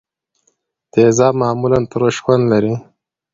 تیزاب معمولا ترش خوند لري.